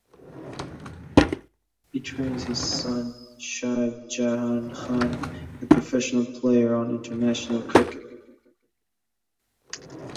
He trains his son Shahjahan Khan, a professional player on the international circuit.